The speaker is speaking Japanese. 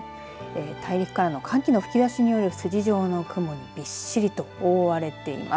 大陸からの寒気の吹き出しによる筋状の雲にびっしりと覆われています。